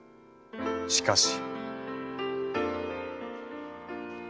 しかし。